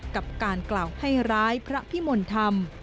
กับการกล่าวให้ร้ายพระพิมลธรรม